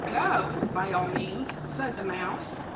go, by all means," said the mouse.